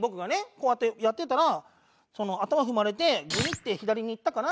こうやってやってたら頭踏まれてグニッて左にいったから。